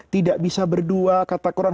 tidak bisa berdua kata kurang